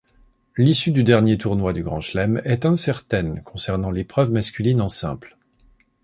L'issue du dernier tournoi du Grand Chelem est incertaine concernant l'épreuve masculine en simple.